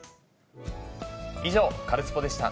以上、カルスポっ！でした。